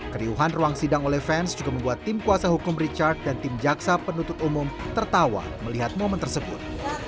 keriuhan ruang sidang oleh fans juga membuat tim kuasa hukum richard dan tim jaksa penuntut umum tertawa melihat momen tersebut